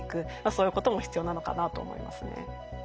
そういうことも必要なのかなと思いますね。